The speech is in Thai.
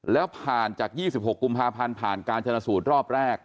แล้วผ่านจาก๒๖กุมภาพันธ์ผ่านการชนะสูตรรอบแรก